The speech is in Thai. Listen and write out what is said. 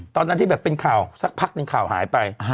ตอนนั้นที่แบบเป็นข่าวสักพักหนึ่งข่าวหายไป